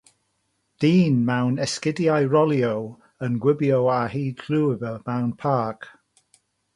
Dyn mewn esgidiau rolio yn gwibio ar hyd llwybr mewn parc.